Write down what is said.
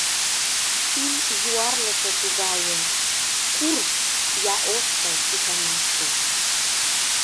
Шӱм юарлыше тугае, — Курж я ошкыл иканаште.